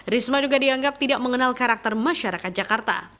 risma juga dianggap tidak mengenal karakter masyarakat jakarta